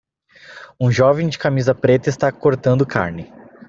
Um jovem de camisa preta está cortando carne.